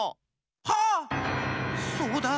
はっそうだ！